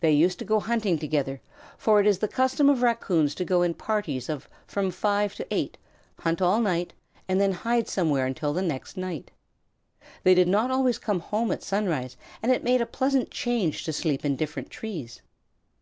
They used to go hunting together, for it is the custom for Raccoons to go in parties of from five to eight, hunt all night, and then hide somewhere until the next night. They did not always come home at sunrise, and it made a pleasant change to sleep in different trees.